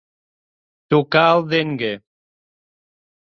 Tocar el dengue.